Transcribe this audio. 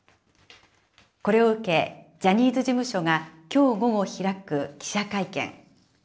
これを受け、ジャニーズ事務所がきょう午後開く記者会見。